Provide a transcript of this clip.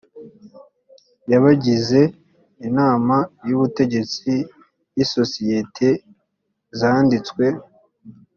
y abagize inama y ubutegetsi y isosiyete zanditswe